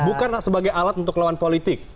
bukan sebagai alat untuk lawan politik